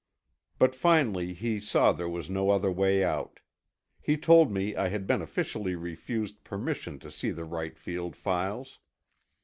But finally he saw there was no other way out. He told me I had been officially refused permission to see the Wright Field files.